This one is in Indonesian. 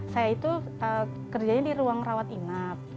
saya itu kerjanya di ruang rawat inap